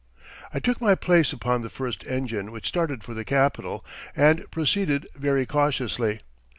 I took my place upon the first engine which started for the Capital, and proceeded very cautiously.